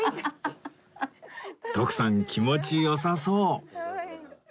徳さん気持ち良さそう